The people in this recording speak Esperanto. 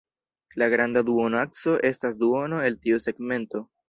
La granda duonakso estas duono el tiu segmento.